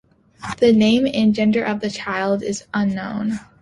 The name and gender of the child is unknown.